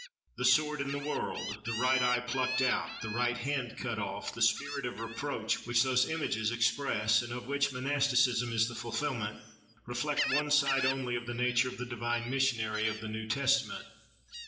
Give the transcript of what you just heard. The sword in the world, the right eye plucked out, the right hand cut off, the spirit of reproach which those images express, and of which monasticism is the fulfilment, reflect one side only of the nature of the divine missionary of the New Testament.